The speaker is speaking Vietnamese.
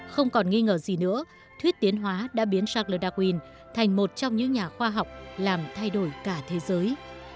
không còn nghi ngờ gì nữa thuyết tiến hóa đã biến charledaq thành một trong những nhà khoa học làm thay đổi cả thế giới